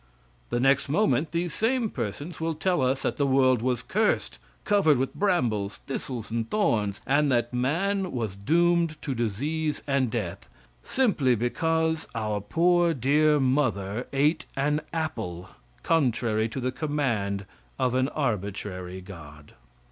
The next moment, these same persons will tell us that the world was cursed; covered with brambles, thistles and thorns, and that man was doomed to disease and death, simply because our poor, dear mother ate an apple contrary to the command of an arbitrary God.